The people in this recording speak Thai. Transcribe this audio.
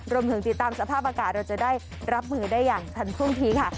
รวมถึงติดตามสภาพอากาศเราจะได้รับมือได้อย่างทันท่วงทีค่ะ